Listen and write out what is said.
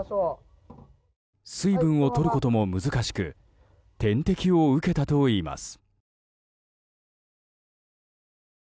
水分をとることも難しく点滴を受けたといいます。